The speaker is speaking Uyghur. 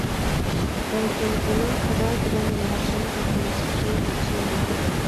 بەلكىم، بۇنىڭ خادا بىلەن يىراقتىن باغلىنىشلىقى بولۇشى مۇمكىن.